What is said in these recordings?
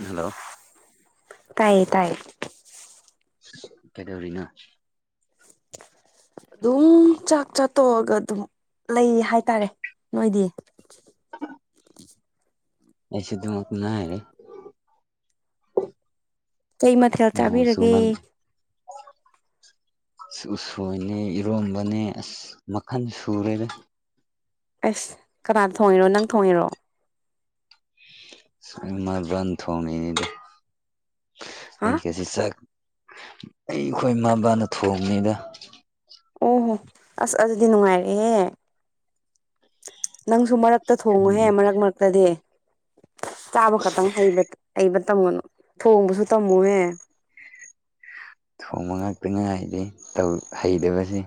hello ꯇꯥꯏꯌꯦ ꯇꯥꯏꯌꯦ ꯀꯩꯗꯧꯔꯤꯅꯣ ꯑꯗꯨꯝ ꯆꯥꯛ ꯆꯥꯠꯇꯣꯛꯑꯒ ꯑꯗꯨꯝ ꯂꯩ ꯍꯥꯏꯇꯥꯔꯦ ꯅꯣꯏꯗꯤ ꯑꯩꯁꯨ ꯗꯨꯃꯛ ꯉꯥꯏꯔꯦ ꯀꯩ ꯃꯊꯦꯜ ꯆꯥꯕꯤꯔꯒꯦ ꯅꯣꯡꯆꯨꯃꯟ ꯎꯁꯣꯏꯅꯦ ꯏꯔꯣꯝꯕꯅꯦ ꯑꯁ ꯃꯈꯜ ꯁꯨꯔꯦꯗ ꯑꯁ ꯀꯅꯥꯅ ꯊꯣꯡꯉꯤꯔꯣ ꯅꯪ ꯊꯣꯡꯉꯤꯔꯣ [unintelligible] ꯊꯣꯡꯉꯤꯅꯤꯗ ꯍꯥ ꯑꯩꯒꯁꯤ ꯆꯥꯛ ꯑꯩꯈꯣꯏ ꯏꯃꯥꯕꯥꯅ ꯊꯣꯡꯅꯤꯗ ꯑꯣꯍꯣ ꯑꯁ ꯑꯗꯨꯗꯤ ꯅꯨꯡꯉꯥꯏꯔꯦꯍꯦ ꯅꯪꯁꯨ ꯃꯔꯛ ꯇ ꯊꯣꯡꯉꯨꯍꯦ ꯃꯔꯛ ꯃꯔꯛꯇꯗꯤ ꯆꯥꯕ ꯈꯛꯇꯪ ꯍꯩꯕ ꯍꯩꯕ ꯇꯝꯒꯅꯨ ꯊꯣꯡꯕꯁꯨ ꯇꯝꯃꯨꯍꯦ ꯊꯣꯡꯕ ꯉꯥꯛꯇ ꯉꯥꯏꯔꯦ ꯇꯧ ꯍꯩꯗꯕꯁꯦ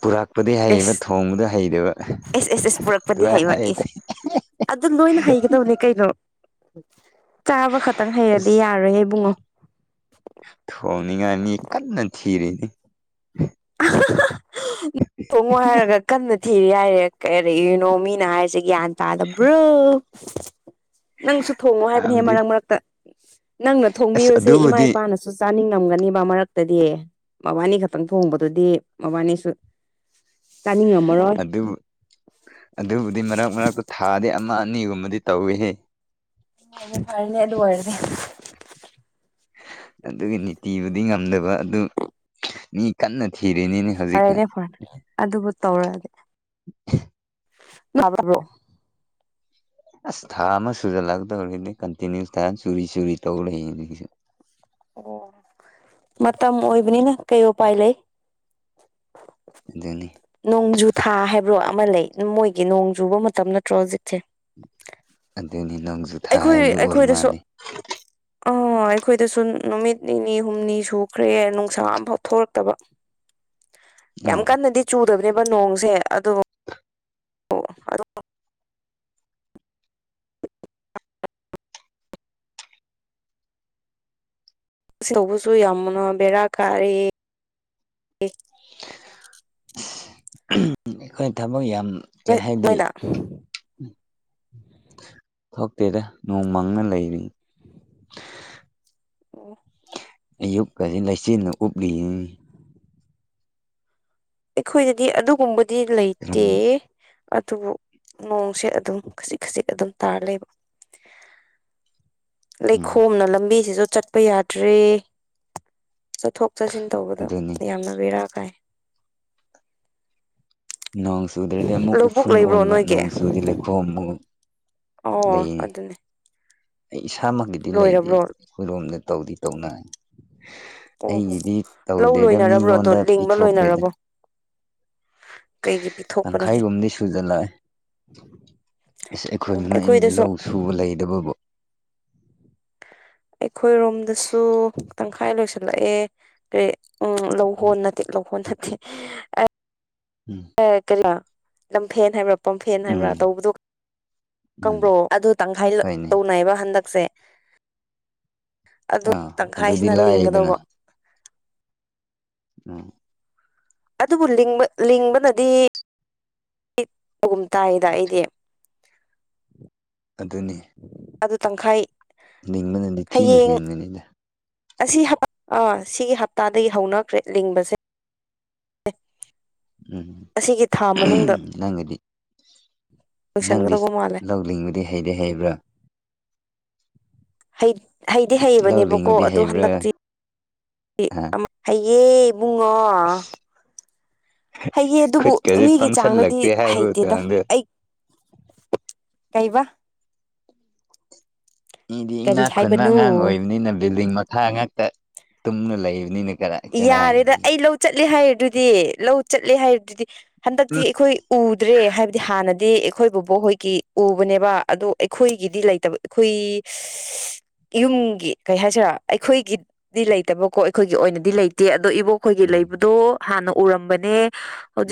ꯄꯨꯔꯛ ꯄꯨꯗꯤ ꯍꯩꯕ ꯑꯦꯁ ꯊꯣꯡꯕꯗꯣ ꯍꯩꯗꯕ ꯑꯦꯁ ꯑꯦꯁ ꯑꯦꯁ ꯄꯨꯔꯛꯄꯗꯤ ꯑꯗꯨꯃꯥꯏꯅ ꯍꯩꯕ ꯍꯥꯏ ꯑꯦꯁ ꯑꯗꯨ ꯂꯣꯏꯅ ꯍꯩꯒꯗꯕꯅꯦ ꯀꯩꯅꯣ ꯆꯥꯕ ꯈꯛꯇꯪ ꯍꯩꯔꯗꯤ ꯑꯁ ꯌꯥꯔꯣꯏꯍꯦ ꯏꯕꯨꯡꯉꯣ ꯊꯣꯡꯅꯤꯡꯉꯥꯏ ꯃꯤ ꯀꯟꯅ ꯊꯤꯔꯤꯅꯤ ꯊꯣꯡꯉꯣ ꯍꯥꯏꯔꯒ ꯀꯟꯅ ꯊꯤꯔꯤ ꯍꯥꯏꯔꯦ ꯀꯩꯔꯤꯅꯣ ꯃꯤꯅ ꯍꯥꯏꯁꯦ ꯒ꯭ꯌꯥꯟ ꯇꯥꯗꯕ꯭ꯔꯣ ꯅꯪꯁꯨ ꯊꯣꯡꯉꯣ ꯍꯥꯏꯕꯅꯦꯍꯦ ꯇꯥꯕꯗꯤ ꯃꯔꯛ ꯃꯔꯛꯇ ꯅꯪꯅ ꯑꯁ ꯊꯣꯡꯕꯤꯕꯁꯦ ꯏꯃꯥ ꯑꯗꯨꯕꯨꯗꯤ ꯏꯄꯥꯅꯁꯨ ꯆꯥꯅꯤꯡꯉꯝꯒꯅꯤꯕ ꯃꯔꯛꯇꯗꯤ ꯃꯕꯥꯅꯤ ꯈꯛꯇꯪ ꯊꯣꯡꯕꯗꯨꯗꯤ ꯃꯕꯥꯅꯤꯁꯨ ꯆꯥꯅꯤꯡꯉꯝꯃꯔꯣꯏ ꯑꯗꯨ ꯑꯗꯨꯕꯨꯗꯤ ꯃꯔꯛ ꯃꯔꯛꯇ ꯊꯥꯗꯤ ꯑꯃ ꯑꯅꯤꯒꯨꯝꯕꯗꯤ ꯇꯧꯏꯍꯦ ꯍꯣ ꯍꯣ ꯐꯔꯦꯅꯦ ꯑꯗꯨ ꯑꯣꯏꯔꯗꯤ ꯑꯗꯨꯒꯤ ꯅꯤꯇꯤꯕꯨꯗꯤ ꯉꯝꯗꯕ ꯑꯗꯨ ꯃꯤ ꯀꯟꯅ ꯊꯤꯔꯤꯅꯤꯅꯦ ꯍꯧꯖꯤꯛ ꯐꯔꯦꯅꯦ ꯐꯔꯦ ꯑꯗꯨꯕꯨ ꯇꯧꯔꯛꯒꯦ꯭ [unintelligible] ꯑꯁ ꯊꯥ ꯑꯃ ꯁꯨꯖꯜꯂꯛꯀꯗꯧꯔꯤꯅꯦ ꯀꯟꯇꯤꯅ꯭ꯌꯨꯁꯇ ꯆꯨꯔꯤ ꯆꯨꯔꯤ ꯇꯧꯔꯂꯩꯔꯤꯅꯤ ꯑꯩꯁꯨ ꯑꯣ ꯃꯇꯝ ꯑꯣꯏꯕꯅꯤꯅ ꯀꯩ ꯎꯄꯥꯏ ꯂꯩ ꯑꯗꯨꯅꯤ ꯅꯣꯡꯖꯨ ꯊꯥ ꯍꯥꯏꯕ꯭ꯔꯣ ꯑꯃ ꯂꯩ ꯃꯣꯏꯒꯤ ꯅꯣꯡꯆꯨꯕ ꯃꯇꯝ ꯅꯠꯇ꯭ꯔꯣ ꯍꯧꯖꯤꯛꯁꯦ ꯑꯗꯨꯅꯤ ꯅꯣꯡꯖꯨ ꯊꯥ ꯑꯩꯈꯣꯏ ꯍꯥꯏꯕꯗꯨ ꯑꯣꯏ ꯑꯩꯈꯣꯏꯗꯁꯨ ꯃꯥꯜꯂꯤ ꯑꯥ ꯑꯩꯈꯣꯏꯗꯁꯨ ꯅꯨꯃꯤꯠ ꯅꯤꯅꯤ ꯍꯨꯝꯅꯤ ꯁꯨꯈ꯭ꯔꯦ ꯅꯨꯡꯁꯥ ꯑꯝꯐꯥꯎꯊꯣꯔꯛꯇꯕ ꯌꯥꯝ ꯑꯥ ꯀꯟꯅꯗꯤ ꯆꯨꯗꯕꯅꯦꯕ ꯅꯣꯡꯖꯦ ꯑꯗꯣ ꯑꯣ ꯑꯗꯨꯗꯣ [unintelligible] ꯇꯧꯕꯁꯨ ꯌꯥꯝꯅ ꯕꯦꯔꯥ ꯀꯥꯔꯦ [unintelligible] ꯑꯩꯈꯣꯏ ꯊꯕꯛ ꯌꯥꯝ ꯀꯩ ꯍꯥꯏꯗꯤ [unintelligible] ꯊꯣꯛꯇꯦꯗ ꯅꯣꯡꯃꯪꯅ ꯂꯩꯔꯤꯅꯤ ꯑꯣ ꯑꯌꯨꯛꯀꯖꯤ ꯂꯩꯆꯤꯟꯅ ꯎꯞꯂꯤꯌꯦ ꯑꯩꯈꯣꯏꯗꯗꯤ ꯑꯗꯨꯒꯨꯝꯕꯗꯤ ꯀꯔꯝ ꯂꯩꯇꯦ ꯑꯗꯨꯕꯨ ꯅꯣꯡꯁꯦ ꯑꯗꯨꯝ ꯈꯖꯤꯛ ꯈꯖꯤꯛ ꯑꯗꯨꯝ ꯇꯥꯔ ꯂꯩꯕ ꯎꯝ ꯂꯩꯈꯣꯝꯅ ꯂꯝꯕꯤꯁꯤꯁꯨ ꯆꯠꯄ ꯌꯥꯗ꯭ꯔꯦ ꯆꯠꯊꯣꯛ ꯆꯠꯁꯤꯟ ꯇꯧꯕꯗ ꯑꯗꯨꯅꯤ ꯌꯥꯝꯅ ꯕꯦꯔꯥ ꯀꯥꯏ ꯅꯣꯡ ꯆꯨꯗ꯭ꯔꯗꯤ ꯑꯃꯨꯛ ꯂꯧꯕꯨꯛ ꯎꯐꯨꯟ ꯂꯩꯕ꯭ꯔꯣ ꯑꯣꯟꯕ ꯅꯣꯏꯒꯤ ꯅꯣꯡ ꯆꯨꯗꯤ ꯂꯩꯈꯣꯝ ꯑꯃꯨꯛ ꯑꯣ ꯂꯩꯌꯦ ꯑꯗꯨꯅꯦ ꯑꯩ ꯏꯁꯥꯃꯛꯀꯤꯗꯤ ꯂꯩꯇꯦ ꯂꯣꯏꯔꯕ꯭ꯔꯣ ꯑꯩꯈꯣꯏꯔꯣꯝꯗ ꯇꯧꯗꯤ ꯇꯧꯅ ꯑꯣꯍꯣ ꯑꯩꯒꯤꯗꯤ ꯂꯧ ꯇꯧꯗꯦꯗ ꯂꯣꯏꯅꯔꯕ꯭ꯔꯣ ꯑꯗꯣ ꯃꯤꯉꯣꯟꯗ ꯂꯤꯡꯕ ꯄꯤꯊꯣꯛꯈ꯭ꯔꯦꯗ ꯂꯣꯏꯅꯔꯕꯣ ꯀꯩꯒꯤ ꯄꯤꯊꯣꯛ ꯇꯪꯈꯥꯏꯒꯨꯝꯕꯗꯤ ꯁꯨꯖ ꯂꯥꯛꯑꯦ ꯑꯁ ꯑꯣ ꯑꯩꯈꯣꯏ ꯃꯥ ꯑꯩꯅ ꯑꯩꯈꯣꯏꯗꯁꯨ ꯂꯧ ꯁꯨꯕ ꯂꯩꯗꯨꯕꯨꯕꯨ ꯑꯩꯈꯣꯏ ꯔꯣꯝꯗꯁꯨ ꯇꯪꯈꯥꯏ ꯂꯣꯏꯁꯜꯂꯛꯑꯦ ꯀꯔꯤ ꯎꯝ ꯂꯧꯍꯣꯟ ꯅꯠꯇꯦ ꯂꯧꯍꯣꯟ ꯅꯠꯇꯦ ꯎꯝ ꯑ ꯀꯔꯤꯂꯥ ꯂꯝꯐꯦꯟ ꯍꯥꯏꯕ꯭ꯔꯥ ꯄꯝꯐꯦꯟ ꯍꯥꯏꯕ꯭ꯔꯥ ꯎꯝ ꯇꯧꯕꯗꯣ ꯎꯝ ꯀꯪꯕ꯭ꯔꯣ ꯑꯗꯨ ꯇꯪꯈꯥꯏ ꯍꯣꯏꯅꯦ ꯇꯧꯅꯩꯌꯦꯕ ꯍꯟꯗꯛꯁꯦ ꯑꯗꯨ ꯑꯥ ꯑꯗꯨꯗꯤ ꯇꯪꯈꯥꯏꯁꯤꯅ ꯂꯥꯏꯌꯦꯗꯅ ꯂꯤꯡꯒꯗꯧꯕ ꯑꯝ ꯑꯗꯨꯕꯨ ꯂꯤꯡꯕꯅꯗꯤ ꯂꯤꯡꯕꯅꯗꯤꯒꯨꯝ ꯇꯥꯏꯗ ꯑꯩꯗꯤ ꯑꯗꯨꯅꯤ ꯑꯗꯨ ꯇꯪꯈꯥꯏ ꯅꯤꯡꯕꯅꯗꯤ ꯊꯤꯅ ꯍꯌꯦꯡ ꯍꯦꯟꯒꯅꯤꯗ ꯑꯁꯤ ꯍ ꯑꯥ ꯁꯤꯒꯤ ꯍꯞꯇꯥꯗꯒꯤ ꯍꯧꯅꯈ꯭ꯔꯦ ꯂꯤꯡꯕꯁꯦ ꯑꯁꯤꯒꯤ ꯊꯥ ꯃꯅꯨꯡꯗ ꯎꯝ ꯅꯪꯒꯤꯗꯤ ꯅꯪꯗꯤ ꯂꯣꯏꯁꯟꯒꯗꯧꯕ ꯃꯥꯜꯂꯦ ꯂꯧ ꯂꯤꯡꯕꯗꯤ ꯍꯩꯗꯤ ꯍꯩꯕ꯭ꯔꯥ ꯍꯩꯗꯤ ꯂꯧ ꯍꯩꯕꯅꯦꯕꯀꯣ ꯂꯤꯡꯕꯗꯤ ꯑꯗꯨꯗꯣ ꯍꯩꯕ꯭ꯔꯥ ꯍꯟꯗꯛꯇꯤ ꯑꯥ ꯍꯩꯌꯦ ꯏꯕꯨꯡꯉꯣ ꯍꯩꯌꯦ ꯑꯗꯨꯕꯨ ꯈꯨꯠꯀꯗꯤ ꯃꯤꯒꯤ ꯆꯥꯡꯗꯗꯤ ꯄꯪꯁꯜꯂꯛꯇꯦ ꯍꯥꯏꯕ ꯍꯩꯇꯦꯗ ꯃꯇꯥꯡꯗ ꯑꯩ ꯀꯩꯕ ꯃꯤꯗꯤ ꯀꯔꯤ ꯏꯅꯥꯛ ꯈꯨꯟꯕ ꯍꯥꯏꯕꯅꯣ ꯑꯉꯥꯡ ꯑꯣꯏꯕꯅꯤꯅ ꯕꯤꯜꯗꯤꯡ ꯃꯈꯥ ꯉꯥꯛꯇ ꯇꯨꯝꯃ ꯂꯩꯕꯅꯤꯅ ꯈꯔ ꯌꯥꯔꯦꯗ ꯑꯩ ꯂꯧ ꯆꯠꯂꯦ ꯍꯥꯏꯔꯗꯨꯗꯤ ꯂꯧ ꯆꯠꯂꯦ ꯍꯥꯏꯔꯗꯨꯗꯤ ꯍꯟꯗꯛꯇꯤ ꯑꯩꯈꯣꯏ ꯎꯗ꯭ꯔꯦ ꯍꯥꯏꯕ ꯗꯤ ꯍꯥꯟꯅꯗꯤ ꯑꯩꯈꯣꯏ ꯕꯣꯕꯣꯛ ꯍꯣꯏꯒꯤ ꯎꯕꯅꯦꯕ ꯑꯗꯣ ꯑꯩꯈꯣꯏꯒꯤꯗꯤ ꯂꯩꯇꯕ ꯈꯨꯏ ꯌꯨꯝꯒꯤ ꯀꯩ ꯍꯥꯏꯁꯤꯔꯥ ꯑꯩꯈꯣꯏꯒꯤꯗꯤ ꯂꯩꯇꯕꯀꯣ ꯑꯩꯈꯣꯏꯒꯤ ꯑꯣꯏꯅꯗꯤ ꯗꯤ ꯂꯩꯇꯦ ꯑꯗꯣ ꯏꯕꯣꯛ ꯈꯣꯏꯒꯤ ꯎꯝ ꯂꯩꯕꯗꯣ ꯍꯥꯟꯅ ꯎꯔꯝꯕꯅꯦ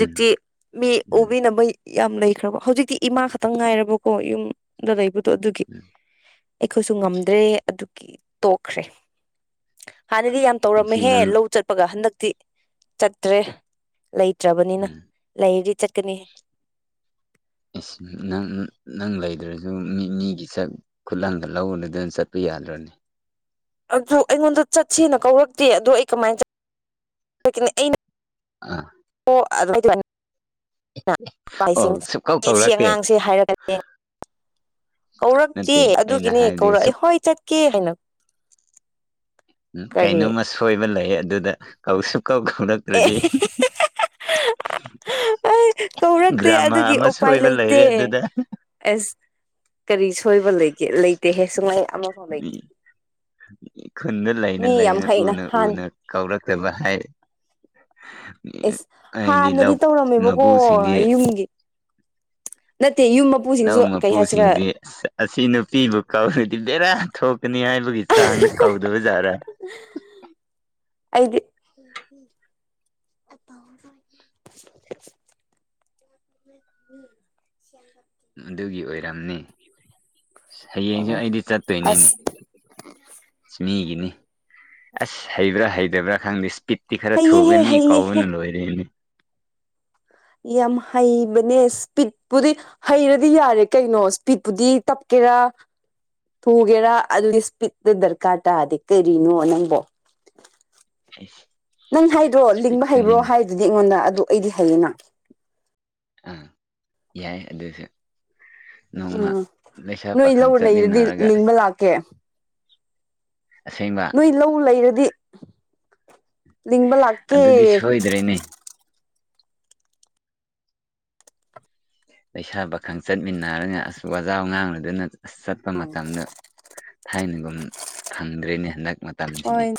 ꯎꯝ ꯃꯤ ꯎꯝ ꯎꯕꯤꯅꯕ ꯌꯥꯝ ꯂꯩꯈ꯭ꯔꯕ ꯍꯧꯖꯤꯛꯇꯤ ꯏꯃꯥ ꯈꯛꯇꯪ ꯉꯥꯏꯔꯕꯀꯣ ꯌꯨꯝ ꯑꯗꯣ ꯂꯩꯕꯗꯣ ꯑꯗꯨꯒꯤ ꯎꯝ ꯑꯩꯈꯣꯏꯁꯨ ꯉꯝꯗ꯭ꯔꯦ ꯑꯗꯨꯒꯤ ꯇꯣꯛꯈ꯭ꯔꯦ ꯍꯥꯟꯅꯗꯤ ꯌꯥꯝ ꯀꯨꯝꯁꯤ ꯇꯧꯔꯝꯃꯦꯍꯦ ꯅꯪ ꯂꯧ ꯆꯠꯄꯒ ꯍꯟꯗꯛꯇꯤ ꯆꯠꯇ꯭ꯔꯦ ꯂꯩꯇ꯭ꯔꯥꯕꯅꯤꯅ ꯎꯝ ꯂꯩꯔꯗꯤ ꯆꯠꯀꯅꯤ ꯑꯁ ꯅꯪ ꯅꯪ ꯂꯩꯇ꯭ꯔꯥꯁꯨ ꯃꯤ ꯃꯤꯒꯤ ꯆꯠ ꯈꯨꯜꯂꯡꯒ ꯂꯧꯗꯅ ꯆꯠꯄꯤ ꯌꯥꯗ꯭ꯔꯥꯅꯦ ꯑꯗꯨ ꯑꯩꯉꯣꯟꯗ ꯆꯠꯁꯦꯅ ꯀꯧꯔꯛꯇꯦ ꯑꯗꯣ ꯑꯩ ꯀꯃꯥꯏꯅ ꯆꯠꯀꯅꯤ ꯑꯥ ꯑꯣ [inaudible] [unintelligible] ꯁꯨꯛꯀꯧ [inaudible] ꯁꯤ ꯀꯧꯔꯛꯇꯦ ꯑꯉꯥꯡꯁꯦ ꯍꯥꯏꯔꯒꯅꯦ ꯀꯧꯔꯛꯇꯦ ꯅꯠꯇꯦ ꯑꯩꯅ ꯑꯗꯨꯒꯤꯅꯦ ꯍꯥꯏꯕꯗꯤ ꯀꯧꯔꯛꯑ ꯁꯨꯛ ꯍꯣꯏ ꯆꯠꯀꯦ ꯍꯥꯏꯅ ꯎꯝ ꯀꯔꯤ ꯀꯩꯅꯣꯝꯃꯥ ꯁꯣꯏꯕ ꯂꯩꯌꯦ ꯑꯗꯨꯗ ꯀꯧꯁꯨ ꯁꯨꯀꯧ ꯀꯧꯔꯛ ꯑꯦ ꯔꯗꯤ ꯀꯧꯔꯛꯇꯦ ꯑꯗꯨꯒꯤ ꯎꯄꯥꯏ ꯂꯩꯇꯦ ꯑꯗꯨꯗ ꯑꯁ ꯀꯔꯤ ꯁꯣꯏꯕ ꯂꯩꯒꯦ ꯂꯩꯇꯦꯍꯦ ꯁꯨꯡꯂꯩ ꯑꯃꯐꯥꯎ ꯂꯩꯇꯦ ꯈꯨꯟꯗ ꯂꯩꯅ ꯃꯤ ꯌꯥꯝ ꯂꯩꯅ ꯍꯩꯅ ꯎꯅ ꯍꯥꯟ ꯎꯅ ꯀꯧꯔꯛꯇꯕ ꯍꯥꯏ ꯑꯦꯁ ꯑꯩꯗꯤ ꯍꯥꯟꯅꯗꯤ ꯂꯧ ꯇꯧꯔꯝꯃꯦꯕꯀꯣ ꯃꯄꯨꯁꯤꯡꯗꯤ ꯌꯨꯝꯒꯤ ꯅꯠꯇꯦ ꯌꯨꯝ ꯃꯞ ꯂꯧ ꯃꯄꯨꯁꯤꯡꯖꯦ ꯑꯁꯤ ꯅꯨꯄꯤꯕꯨ ꯀꯧꯔꯗꯤ ꯕꯦꯔꯥ ꯊꯣꯛꯀꯅꯤ ꯍꯥꯏꯕꯒꯤ ꯆꯥꯡꯗ ꯀꯧꯗꯕꯖꯥꯔꯥ ꯑꯩꯗꯤ [unintelligible] [inaudible] ꯑꯗꯨꯒꯤ ꯑꯣꯏꯔꯝꯅꯤ ꯍꯌꯦꯡꯁꯨ ꯑꯣ ꯑꯩꯗꯤ ꯆꯠꯇꯣꯏꯅꯤꯅꯦ ꯑꯁ ꯃꯤꯒꯤꯅꯤ ꯑꯁ ꯍꯩꯕ꯭ꯔꯥ ꯍꯩꯇꯕ꯭ꯔꯥ ꯈꯪꯗꯦ ꯏꯁꯄꯤꯠ ꯇꯤ ꯈꯔꯥ ꯍꯩꯌꯦꯍꯦ ꯊꯨꯒꯅꯤ ꯍꯩꯌꯦꯍꯦ ꯀꯧꯕꯅ ꯂꯣꯏꯔꯦꯅꯤ ꯌꯥꯝ ꯍꯩꯕꯅꯦ ꯏꯁꯄꯤꯠꯄꯨꯗꯤ ꯍꯩꯔꯗꯤ ꯌꯥꯔꯦ ꯀꯩꯅꯣ ꯏꯁꯄꯤꯠꯄꯨꯗꯤ ꯇꯞꯀꯦꯔꯥ ꯊꯨꯒꯦꯔꯥ ꯑꯗꯨꯒꯤ ꯏꯁꯄꯤꯠꯇꯨ ꯗꯔꯀꯥꯔ ꯇꯥꯔꯗꯦ ꯀꯔꯤꯅꯣ ꯅꯪꯕꯣ ꯏꯁ ꯅꯪ ꯍꯥꯏꯗ꯭ꯔꯣ ꯂꯤꯡꯕ ꯍꯩꯕ꯭ꯔꯣ ꯍꯥꯏꯗꯨꯗꯤ ꯑꯩꯉꯣꯟꯗ ꯑꯗꯨ ꯑꯩꯗꯤ ꯍꯩꯌꯦꯅ ꯑꯥ ꯌꯥꯏ ꯑꯗꯨꯁꯨ ꯅꯣꯡꯃ ꯎꯝ ꯂꯩꯁꯥ ꯅꯣꯏ ꯂꯧ ꯄꯥꯈꯪ ꯂꯩꯔꯗꯤ ꯆꯠꯃꯤꯟꯅꯔꯒ ꯂꯤꯡꯕ ꯑꯁ ꯂꯥꯛꯀꯦ ꯑꯁꯦꯡꯕ ꯅꯣꯏ ꯂꯧ ꯂꯩꯔꯗꯤ ꯂꯤꯡꯕ ꯂꯥꯛꯀꯦ ꯑꯗꯨꯗꯤ ꯁꯣꯏꯗ꯭ꯔꯦꯅꯦ ꯂꯩꯁꯥ ꯄꯥꯈꯪ ꯆꯠꯃꯤꯟꯅꯔꯒ ꯑꯁ ꯋꯥꯖꯥꯎ ꯉꯥꯡꯂꯗꯅ ꯑꯁ ꯆꯠꯄ ꯃꯇꯝꯗ ꯊꯥꯏꯅꯒꯨꯝ ꯐꯪꯗ꯭ꯔꯦꯅꯦ ꯍꯟꯗꯛ ꯃꯇꯝꯁꯤꯗꯤ ꯍꯣꯏ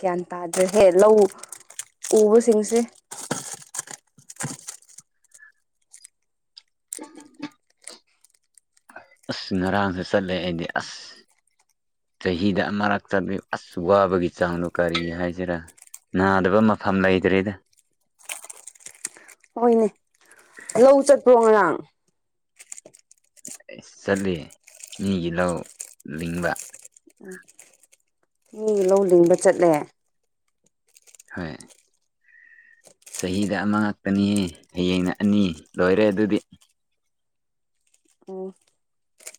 ꯒ꯭ꯌꯥꯟ ꯇꯥꯗ꯭ꯔꯦꯍꯦ ꯂꯧ ꯎꯕꯁꯤꯡꯁꯦ ꯑꯁ ꯉꯔꯥꯡꯒ ꯆꯠꯂꯦ ꯑꯩꯗꯤ ꯑꯁ ꯆꯍꯤꯗ ꯑꯃꯔꯛ ꯆꯠꯂꯤ ꯑꯁ ꯋꯥꯕꯒꯤ ꯆꯥꯡꯗꯣ ꯀꯔꯤ ꯍꯥꯏꯁꯤꯔꯥ ꯅꯥꯗꯕ ꯃꯐꯝ ꯂꯩꯇ꯭ꯔꯦꯗ ꯍꯣꯏꯅꯦ ꯂꯧ ꯆꯠꯄ꯭ꯔꯣ ꯉꯔꯥꯡ ꯆꯠꯂꯤ ꯃꯤꯒꯤ ꯂꯧ ꯂꯤꯡꯕ ꯎꯝ ꯃꯤꯒꯤ ꯂꯧ ꯂꯤꯡꯕ ꯆꯠꯂꯦ ꯍꯣꯏ ꯆꯍꯤꯗ ꯑꯃ ꯉꯥꯛꯇꯅꯤ ꯍꯌꯦꯡꯅ ꯑꯅꯤ ꯂꯣꯏꯔꯦ ꯑꯗꯨꯗꯤ ꯎꯝ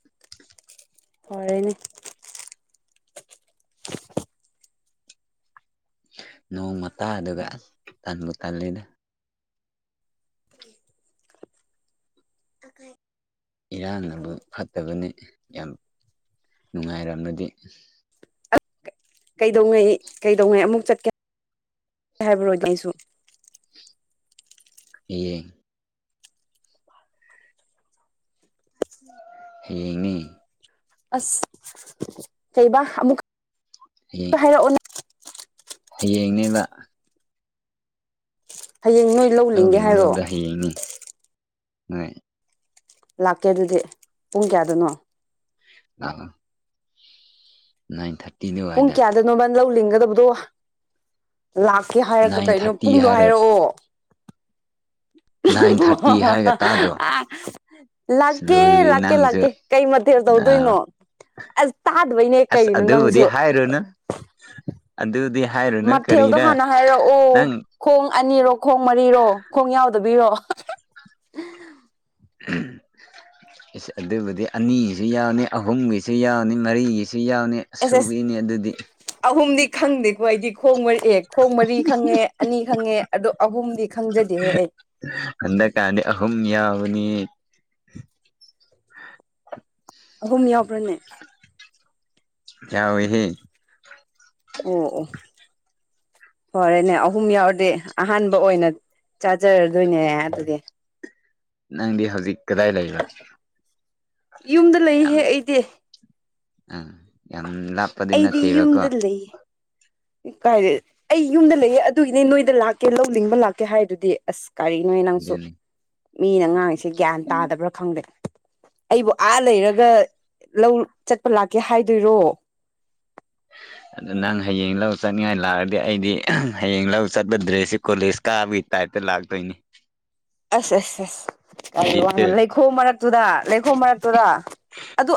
[unintelligible] ꯐꯥꯔꯦꯅꯦ ꯅꯣꯡ ꯃꯇꯥꯗꯨꯒ ꯇꯟꯕꯨ ꯇꯜꯂꯤꯗ ꯏꯔꯥꯡꯅꯕꯨ ꯐꯠꯇꯕꯅ‌ꯦ ꯌꯥꯝ ꯅꯨꯡꯉꯥꯏꯔꯝꯂꯗꯤ ꯀꯩꯗꯧꯉꯩ ꯀꯩꯗꯧꯉꯩ ꯑꯃꯨꯛ ꯆꯠꯀꯦ [inaudible] ꯍꯥꯏꯕꯔꯣꯅꯦ ꯑꯩꯁꯨ ꯍꯥꯌꯦꯡ ꯍꯥꯌꯦꯡꯅꯦ ꯑꯁ ꯀꯩꯕꯥ ꯑꯃꯨꯛ [unintelligible] ꯍꯥꯏꯔꯛꯎꯟ ꯍꯌꯦꯡꯅꯦꯕ ꯍꯌꯦꯡ ꯅꯣꯏ ꯂꯧ ꯂꯤꯡꯒꯦ ꯍꯥꯏꯔꯣ ꯍꯌꯦꯡꯅꯤ ꯅ‌ꯣꯏ ꯂꯥꯛꯀꯦ ꯑꯗꯨꯗꯤ ꯄꯨꯡ ꯀꯌꯥꯗꯅꯣ ꯂꯥꯑꯣ ꯅꯥꯏꯟ ꯊꯔ ꯄꯨꯡ ꯀꯌꯥꯗꯅꯣꯕ ꯂꯧ ꯂꯤꯡꯒꯗꯕꯗꯣ ꯂꯥꯛꯀꯦ ꯍꯥꯏꯔꯒ ꯅꯥꯏꯟ ꯀꯩꯅꯣ ꯊꯥꯔꯇꯤ ꯄꯨꯡꯗꯣ ꯍꯥꯏꯔꯒ ꯍꯥꯏꯔ‌ꯣꯑꯣ ꯅꯥꯏꯟ ꯊꯥꯔꯇꯤ ꯍꯥꯏꯔꯒ ꯇꯥꯗ꯭ꯔꯣ [unintelligible] ꯑꯁ ꯂꯥꯛꯀꯦ ꯂꯣꯏꯔꯦ ꯂꯥꯛꯀꯦ ꯂꯥꯛꯀꯦ ꯅꯪꯁꯨ ꯀꯩ ꯃꯊꯦꯜ ꯇꯧꯗꯣꯏꯅꯣ ꯑꯁ ꯇꯥꯗꯕꯩꯅꯦ ꯑꯁ ꯀꯩꯅꯣ ꯑꯗꯨꯕꯨꯗꯤ ꯅꯪꯁꯨ ꯍꯥꯏꯔꯨꯅꯨ ꯑꯗꯨꯗꯤ ꯍꯥꯏ ꯃꯊꯦꯜꯗꯣ ꯍꯥꯟꯅ ꯍꯥꯏꯔꯑꯣ ꯈꯣꯡ ꯑꯅꯤꯔꯣ ꯈꯣꯡ ꯃꯔꯤꯔꯣ ꯈꯣꯡ ꯌꯥꯎꯗꯕꯤꯔꯣ [unintelligible] ꯏꯁ ꯑꯗꯨꯕꯨꯗꯤ ꯑꯅꯤꯒꯤꯖꯨ ꯌꯥꯎꯅꯤ ꯑꯍꯨꯝꯒꯤꯁꯨ ꯌꯥꯎꯅꯤ ꯃꯔꯤꯒꯤꯁꯨ ꯌꯥꯎꯅꯤ ꯑꯁ ꯑꯦꯁ ꯑꯦꯁ ꯁꯨꯋꯤꯅ‌ꯦ ꯑꯗꯨꯗꯤ ꯑꯍꯨꯝꯗꯤ ꯈꯪꯗꯦꯀꯣ ꯑꯩꯗꯤ ꯈꯣꯡ ꯃꯔꯤ ꯑꯦ ꯈꯣꯡ ꯃꯔꯤ ꯈꯪꯉꯦ ꯑꯅꯤ ꯈꯪꯉꯦ ꯑꯗꯣ ꯑꯍꯨꯝꯗꯤ ꯈꯪꯖꯗꯦꯍꯦ ꯑꯩ ꯍꯟꯗꯛꯀꯥꯟꯗꯤ ꯑꯍꯨꯝ ꯌꯥꯎꯒꯅꯤ ꯑꯍꯨꯝ ꯌꯥꯎꯕ꯭ꯔꯅꯦ ꯌꯥꯎꯋꯦꯍꯦ [unintelligible] ꯐꯔꯦꯅꯦ ꯑꯍꯨꯝ ꯌꯥꯎꯔꯗꯤ ꯑꯍꯥꯟꯕ ꯑꯣꯏꯅ ꯆꯥꯖꯔꯗꯣꯏꯅꯦ ꯑꯗꯨꯗꯤ ꯅꯪꯗꯤ ꯍꯧꯖꯤꯛ ꯀꯗꯥꯏ ꯂꯩꯕ ꯌꯨꯝꯗ ꯂꯩꯍꯦ ꯌꯥꯝ ꯑꯩꯗꯤ ꯑꯥ ꯌꯥꯝ ꯂꯥꯞꯄꯗꯤ ꯅꯠꯇꯦꯕꯀꯣ ꯏ ꯀꯥꯏꯔ ꯑꯩ ꯌꯨꯝꯗ ꯂꯩꯌꯦ ꯑꯗꯨꯒꯤꯅꯦ ꯅꯣꯏꯗ ꯂꯥꯛꯀꯦ ꯂꯧ ꯂꯤꯡꯕ ꯂꯥꯛꯀꯦ ꯍꯥꯏꯗꯨꯗꯤ ꯑꯁ ꯀꯔꯤꯅꯣꯍ‌ꯦ ꯅꯪꯁꯨ ꯑꯗꯨꯅꯤ ꯃꯤꯅ ꯉꯥꯡꯉꯤꯁꯦ ꯒ꯭ꯌꯥꯟ ꯇꯥꯗꯕ꯭ꯔꯥ ꯈꯪꯗꯦ ꯑꯩꯕꯨ ꯑꯥ ꯂꯩꯔꯒ ꯂꯧ ꯆꯠꯄ ꯂꯥꯛꯀꯦ ꯍꯥꯏꯗꯣꯏꯔꯣ ꯑꯗꯨ ꯅꯪ ꯍꯌꯦꯡ ꯂꯧ ꯆꯠꯅꯤꯡꯉꯥꯏ ꯂꯥꯛꯔꯗꯤ ꯑꯩꯗꯤ ꯍꯌꯦꯡ ꯂꯧ ꯆꯠꯄ ꯗ꯭ꯔꯦꯁꯁ‌ꯦ ꯀꯣꯂꯦꯖ ꯀꯥꯕꯒꯤ ꯇꯥꯏꯞꯇ ꯂꯥꯛꯇꯣꯏꯅꯤ ꯑꯁ ꯑꯁ ꯑꯁ ꯀꯔꯤ ꯋꯥꯅꯣ ꯖꯤꯠꯇꯨ ꯂꯩꯈꯣꯝ ꯃꯔꯛꯇꯨꯗ ꯂꯩꯈꯣꯝ ꯃꯔꯛꯇꯨꯗ ꯑꯗꯨ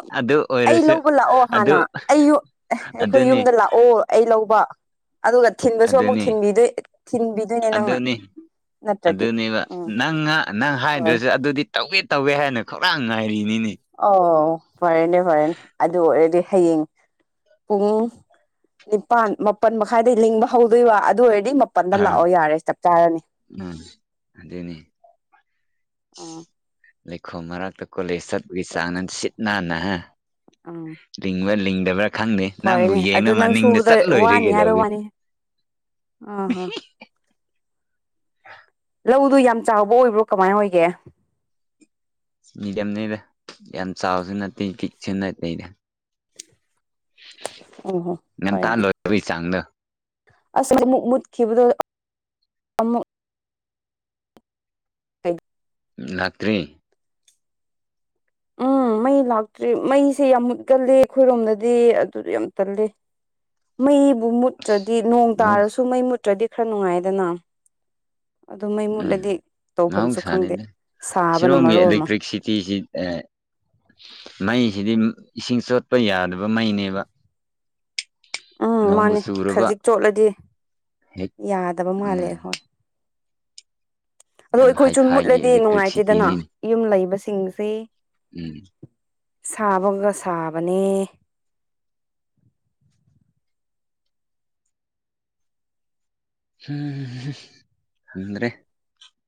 ꯑꯩ ꯂꯧꯕ ꯂꯥꯛꯑꯣ ꯑꯗꯨ ꯍꯥꯟꯅ ꯑꯩ ꯌꯨ ꯑꯈꯣꯏ ꯑꯗꯨꯅꯤ ꯌꯨꯝꯗ ꯂꯥꯛ ꯑꯣ ꯑꯩ ꯂꯧꯕ ꯑꯗꯨꯒ ꯊꯤꯟꯕꯁꯨ ꯑꯃꯨꯛ ꯑꯗꯨꯅꯤ ꯊꯤꯟꯕꯤꯗꯣꯏ ꯊꯤꯟꯕꯤꯗꯣꯏꯅꯦ ꯅꯪꯅ ꯑꯗꯨꯅꯤ ꯅꯠꯇ꯭ꯔꯗꯤ ꯑꯗꯨꯅꯦꯕ ꯎꯝ ꯅꯪ ꯅꯪ ꯑꯣ ꯍꯥꯏꯗ꯭ꯔꯖꯨ ꯑꯗꯨꯗꯤ ꯇꯧꯒꯦ ꯇꯧꯒꯦ ꯍꯥꯏꯅ ꯈꯧꯔꯡ ꯉꯥꯏꯔꯤꯅꯤꯅꯦ ꯑꯣ ꯐꯔꯦꯅꯦ ꯐꯔꯦꯅꯦ ꯑꯗꯨ ꯑꯣꯏꯔꯗꯤ ꯍꯌꯦꯡ ꯄꯨꯡ ꯅꯤꯄꯥꯟ ꯃꯥꯄꯟ ꯃꯈꯥꯏꯗꯒꯤ ꯂꯤꯡꯕ ꯍꯧꯗꯣꯏꯕ ꯑꯗꯨ ꯑꯣꯏꯔꯗꯤ ꯃꯞ ꯄꯟꯗ ꯑꯥ ꯂꯛꯑꯣ ꯌꯥꯔꯦ ꯆꯞ ꯆꯥꯔꯅꯤ ꯎꯝ ꯑꯗꯨꯅꯤ ꯑꯥ ꯂꯩꯈꯣꯝ ꯃꯔꯥꯛꯇ ꯀꯣꯂꯦꯖ ꯆꯠꯄꯒꯤ ꯆꯥꯡꯅ ꯁꯤꯠ ꯅꯥꯟꯅꯍꯥ ꯑꯥ ꯂꯤꯡꯕ ꯂꯤꯡꯗꯕ꯭ꯔꯥ ꯈꯪꯗꯦ ꯅꯪꯕꯨ ꯌꯦꯡꯅ ꯑꯗꯨ ꯅꯪ ꯃꯅꯤꯡꯗ ꯁꯨꯕꯗ ꯆꯠꯂꯣꯏꯔꯦ ꯋꯥꯅꯤ ꯍꯥꯏꯕ ꯀꯩꯗꯧꯒꯦ ꯋꯥꯅꯤ ꯑꯥ ꯍꯥ ꯂꯧꯗꯣ ꯌꯥꯝ ꯆꯥꯎꯕ ꯑꯣꯏꯕ꯭ꯔꯣ ꯀꯃꯥꯏ ꯑꯣꯏꯒꯦ ꯃꯦꯗꯤꯌꯝꯅꯤꯗ ꯌꯥꯝ ꯆꯥꯎꯁꯨ ꯅꯠꯇꯦ ꯄꯤꯛꯁꯨ ꯅꯠꯇꯦ ꯑꯩꯗꯤ ꯑꯣꯍꯣ ꯉꯟꯇꯥ ꯐꯔꯦꯅꯦ ꯂꯣꯏꯕꯒꯤ ꯆꯥꯡꯗꯣ ꯑꯁ ꯃꯩ ꯑꯃꯨꯛ ꯃꯨꯠꯈꯤꯕꯗꯣ ꯑꯃꯨꯛ [unintelligible] ꯂꯥꯛꯇ꯭ꯔꯦ ꯎꯝ ꯃꯩ ꯂꯥꯛꯇ꯭ꯔꯤ ꯃꯩꯁꯦ ꯌꯥꯝ ꯃꯨꯠꯀꯜꯂꯦ ꯑꯈꯣꯏꯔꯣꯝꯗꯗꯤ ꯑꯗꯨꯗꯣ ꯌꯥꯝ ꯇꯜꯂꯦ ꯃꯩꯕꯨ ꯃꯨꯠꯇ꯭ꯔꯗꯤ ꯅꯣꯡ ꯃꯍꯧ ꯇꯥꯔꯁꯨ ꯃꯩ ꯃꯨꯠꯇ꯭ꯔꯗꯤ ꯈꯔ ꯅꯨꯡꯉꯥꯏꯗꯅꯥ ꯑꯗꯣ ꯃꯩ ꯃꯨꯠꯂꯗꯤ ꯎꯝ ꯇꯧꯐꯝꯁꯨ ꯈꯪꯗꯦ ꯃꯍꯧꯁꯥꯅꯤꯅꯦ ꯁꯥꯕꯅ ꯁꯤꯔꯣꯝꯒꯤ ꯃꯔꯣꯜ ꯑꯃ ꯑꯦꯂꯦꯛꯇ꯭ꯔꯤꯛꯁꯤꯇꯤꯖꯤ ꯑꯥ ꯃꯩꯖꯤꯗꯤ ꯏꯁꯤꯡ ꯆꯣꯠꯄ ꯌꯥꯗꯕ ꯃꯩꯅꯦꯕ ꯎꯝ ꯅꯣꯡꯕꯨ ꯃꯥꯅꯦ ꯆꯨꯔꯕ ꯈꯖꯤꯛ ꯆꯣꯠꯂꯗꯤ ꯍꯦꯛ ꯌꯥꯗꯕ ꯃꯥꯜꯂꯦ ꯎꯝ ꯍꯣꯏ ꯑꯗꯣ ꯌꯥꯝ ꯑꯩꯈꯣꯏꯁꯨꯨ ꯍꯥꯏꯐꯥꯏꯒꯤ ꯃꯨꯠꯂꯗꯤ ꯅꯨꯡꯉꯥꯏꯇꯦꯗꯅ ꯑꯦꯂꯦꯛꯇ꯭ꯔꯤꯛꯁꯤꯇꯤꯅꯤꯅꯦ ꯌꯨꯝ ꯂꯩꯕꯁꯤꯡꯁꯤ ꯎꯝ ꯁꯥꯕꯒ ꯁꯥꯕꯅꯦ ꯎꯝꯍꯝ ꯉꯝꯗ꯭ꯔꯦ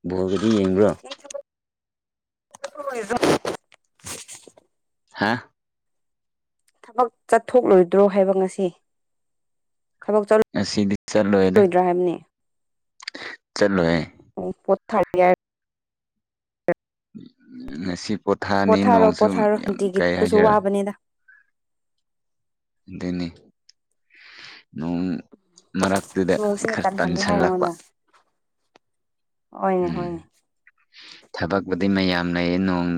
ꯕꯣꯜꯒꯗꯤ ꯌꯦꯡꯕ꯭ꯔꯣ ꯂꯣꯏꯗ꯭ꯔꯣ ꯍꯥꯥ ꯊꯕꯛ ꯆꯠꯊꯣꯛꯂꯣꯏꯗ꯭ꯔꯣ ꯍꯥꯏꯕ ꯉꯁꯤ ꯊꯕꯛ ꯆꯠ ꯑꯁꯤꯗꯤ ꯆꯠꯂꯣꯏꯗ ꯆꯠꯂꯣꯏꯌꯦ ꯎꯝ ꯄꯣꯊꯥ ꯌꯥꯏ [inaudible] ꯉꯁꯤ ꯄꯣꯊꯥꯅꯤ ꯄꯣꯊꯥꯔꯣ ꯅꯣꯡꯁꯨ ꯄꯣꯊꯥꯔꯣ ꯌꯥꯝ ꯅꯨꯡꯇꯤꯒꯤ ꯀꯩ ꯆꯠꯄꯁꯨ ꯍꯥꯏꯗꯣꯏꯔꯥ ꯋꯥꯕꯅꯤꯗ ꯒꯅꯤ ꯅꯣꯡ ꯃꯔꯛꯇꯨꯗ ꯅꯣꯡꯁꯤꯅ ꯈꯔ ꯇꯟꯍꯜꯂꯤ ꯍꯥꯏ ꯇꯟꯁꯜꯂꯛꯄ ꯑꯩꯉꯣꯟꯗ ꯍꯣꯏꯅꯦ ꯎꯝ ꯍꯣꯏꯅꯦ ꯊꯕꯛꯄꯨꯗꯤ ꯃꯌꯥꯝ ꯂꯩꯌꯦ ꯅꯣꯡ